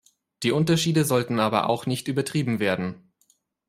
Die Unterschiede sollten aber auch nicht übertrieben werden.